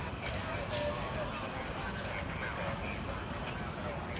อันที่สุดท้ายก็คือภาษาอันที่สุดท้าย